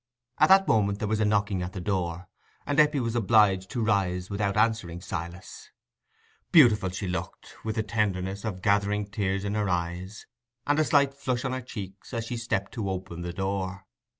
At that moment there was a knocking at the door; and Eppie was obliged to rise without answering Silas. Beautiful she looked, with the tenderness of gathering tears in her eyes and a slight flush on her cheeks, as she stepped to open the door.